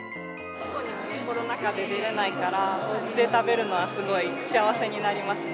コロナ禍で出れないから、おうちで食べるのはすごい幸せになりますね。